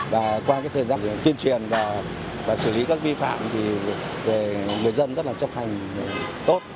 và qua cái thời gian tuyên truyền và xử lý các vi phạm thì người dân rất là chấp hành tốt